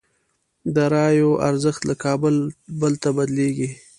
داراییو ارزښت له کال بل ته بدلېږي.